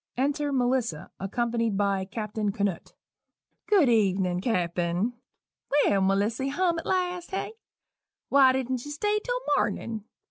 _ (Enter Melissa, accompanied by Captain Canoot.) "Good evenin', Cappen Well, Melissy, hum at last, hey? Why didn't you stay till mornin'?